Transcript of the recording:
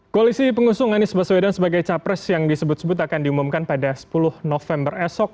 koalisi pengusung anies baswedan sebagai capres yang disebut sebut akan diumumkan pada sepuluh november esok